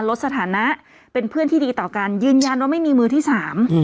ลดสถานะเป็นเพื่อนที่ดีต่อกันยืนยันว่าไม่มีมือที่สาม